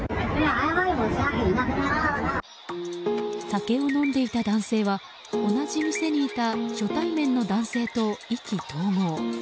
酒を飲んでいた男性は同じ店にいた初対面の男性と意気投合。